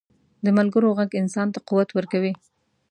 د ملګرو ږغ انسان ته قوت ورکوي.